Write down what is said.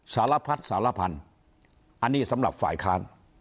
สารพัดสารพันธุ์อันนี้สำหรับฝ่ายค้าน